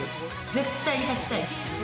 絶対に勝ちたい。